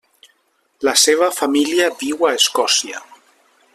La seva família viu a Escòcia.